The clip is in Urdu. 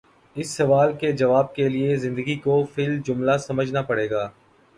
اس سوال کے جواب کے لیے زندگی کو فی الجملہ سمجھنا پڑے گا۔